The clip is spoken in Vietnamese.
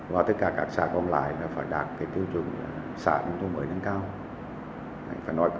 và tất cả các xã còn lại phải đạt tiêu chuẩn xã nông thôn mới nâng cao